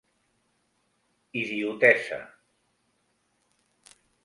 Idiotesa: